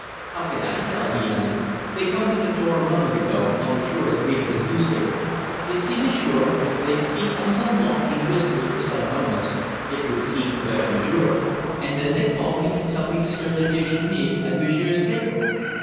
"How can I tell?" he answered. "They come to the door a moment ago, while monsieur is reading his newspaper; they see monsieur; they speak ensemble in whispers for some moments, it would seem about monsieur; and then they call me and tell me to serve their déjeuner at monsieur's table."